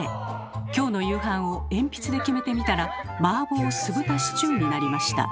今日の夕飯を鉛筆で決めてみたら「マーボー酢豚シチュー」になりました。